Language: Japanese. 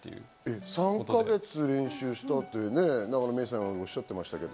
３か月練習したってね、永野芽郁さんはおっしゃってましたけど。